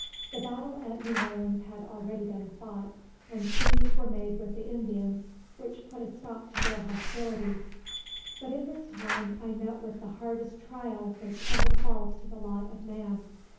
The battle at New Orleans had already been fought, and treaties were made with the Indians which put a stop to their hostilities. But in this time, I met with the hardest trial which ever falls to the lot of man.